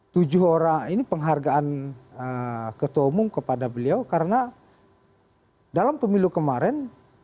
tujuh orang ini penghargaan ketua umum kepada beliau karena dalam pemilu kemarin